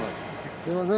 すみません